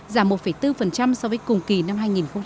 giảm một bốn so với cùng kỳ năm hai nghìn một mươi tám